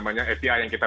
api yang kita